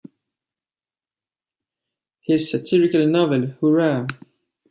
His satirical novel Hura!